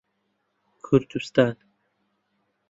کوردستان